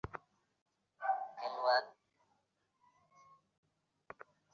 তখন গ্রীষ্মকাল ছিলো।